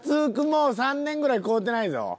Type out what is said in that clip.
もう３年ぐらい買うてないぞ。